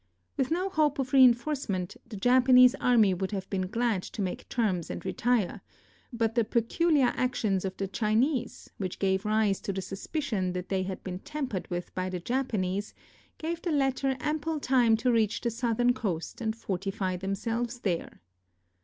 With no hope of reinforcement, the Japanese army would have been glad to make terms and retire, but the peculiar actions of the Chinese, which gave rise to the suspicion that they had been tampered with by the Japanese, gave the latter ample time to reach the southern coast and fortify themselves there.